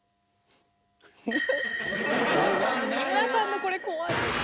［木村さんのこれ怖い］